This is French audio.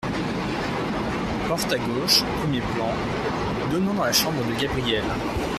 Porte à gauche, premier plan, donnant dans la chambre de Gabrielle.